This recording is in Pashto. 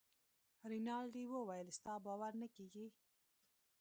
رینالډي وویل ستا باور نه کیږي.